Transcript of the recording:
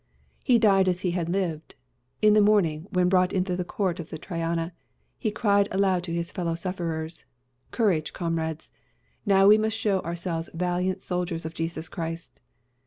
"He died as he had lived. In the morning, when brought out into the court of the Triana, he cried aloud to his fellow sufferers, 'Courage, comrades! Now must we show ourselves valiant soldiers of Jesus Christ.